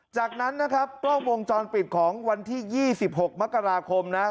จากนั้นนะครับกล้องวงจรปิดของวันที่๒๖มกราคมนะ